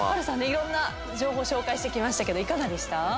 いろんな情報紹介してきましたけどいかがでした？